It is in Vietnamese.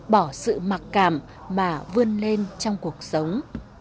bỏ sự mặc cảm mà vươn lên trong cuộc sống